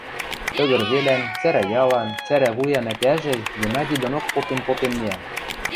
Тыгыр велӓн, цӓрӓ ялан, цӓрӓ вуян ӓтяжӹ Геннади донок попен-попен миӓ.